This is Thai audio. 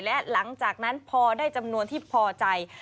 และหลังจากนั้นพอได้จำนวนที่พอใจ